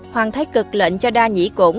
hoàng thái cực lệnh cho đa nhĩ cổn